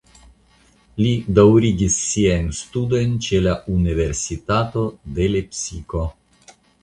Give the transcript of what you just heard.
Li daŭrigis siajn studojn ĉe la Universitato de Lepsiko.